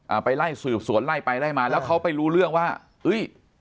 ไปไล่สืบสวนไล่ไปไล่มาแล้วเขาไปรู้เรื่องว่าเฮ้ย